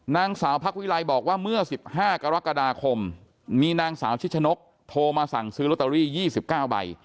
นางสาวพักวิลัยบอกว่าเมื่อ๑๕กรกฎาคมมีนางสาวชิชนกโทรมาสั่งซื้อลอตเตอรี่๒๙ใบ